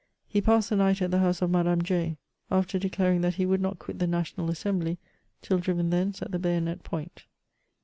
He passed the night at the house of Madame Jay, after declaring that he would not quit the National Assembly till driven thence at the bayonet point.